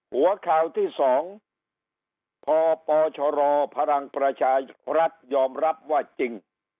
หัวข่าวที่๒พปชรพลังประชารัฐยอมรับว่าจริง